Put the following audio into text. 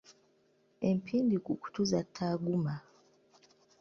Empindi ku kutu zatta Aguma